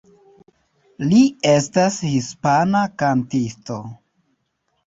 Li estas hispana kantisto.